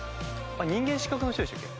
『人間失格』の人でしたっけ。